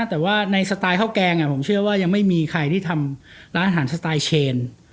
แต่ว่าในสไตล์ข้าวแกงผมเชื่อว่ายังไม่มีใครที่ทำร้านอาหารสไตล์เชน